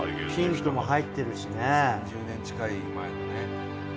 ３０年近い前のね。